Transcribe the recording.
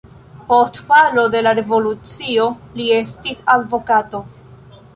Post falo de la revolucio li estis advokato.